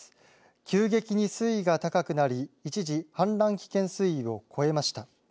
急激に水位が高くなり一時、氾濫危険水位を超えました。